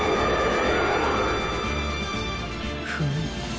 フム。